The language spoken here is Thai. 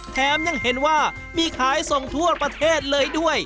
แถมยังเห็นว่ามีขายส่งทั่วประเทศเลยด้วย